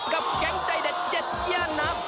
กับแก๊งใจเด็ดเจ็ดย่านับ